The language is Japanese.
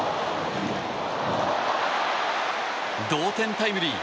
同点タイムリー。